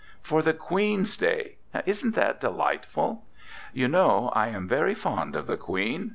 For the Queen's Day! Isn't that delightful? ... You know, I am very fond of the Queen.